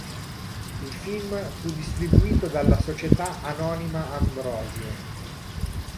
Il film fu distribuito dalla Società Anonima Ambrosio.